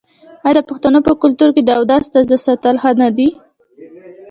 آیا د پښتنو په کلتور کې د اودس تازه ساتل ښه نه دي؟